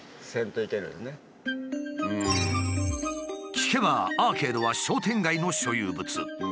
聞けばアーケードは商店街の所有物。